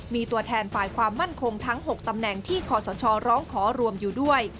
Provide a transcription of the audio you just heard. มีตัวแทนฝ่ายความมั่นคงทั้ง๖ตำแหน่งที่ขอสชร้องขอรวมอยู่ด้วย